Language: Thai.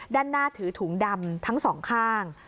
ด้านหน้าถือถุงดำทั้งสองข้าง